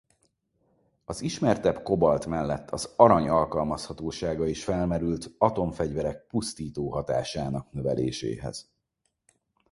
Az ismertebb kobalt mellett az arany alkalmazhatósága is felmerült atomfegyverek pusztító hatásának növeléséhez.